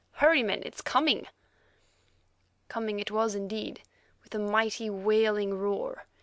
Hurry, men; it's coming!" Coming, it was indeed, with a mighty, wailing roar.